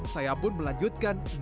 saya pun melanjutkan naik ke kawasan